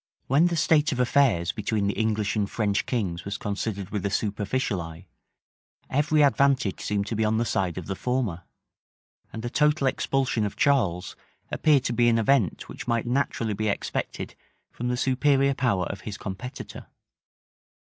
When the state of affairs between the English and French kings was considered with a superficial eye, every advantage seemed to be on the side of the former; and the total expulsion of Charles appeared to be an event which might naturally be expected from the superior power of his competitor.